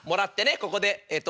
ここでえっと。